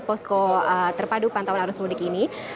posko terpadu pantauan arus mudik ini